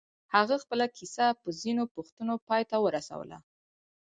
هغه خپله کيسه په ځينو پوښتنو پای ته ورسوله.